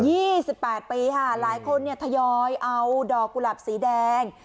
สิบแปดปีค่ะหลายคนเนี่ยทยอยเอาดอกกุหลับสีแดง